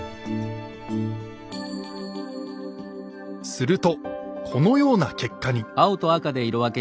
するとこのような結果に。